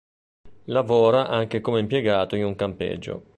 Lavora anche come impiegato in un campeggio.